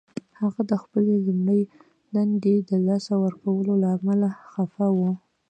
هغه د خپلې لومړۍ دندې د لاسه ورکولو له امله خفه و